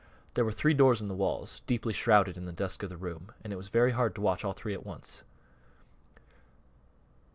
There were three doors in the walls, deeply shrouded in the dusk of the room, and it was very hard to watch all three at once.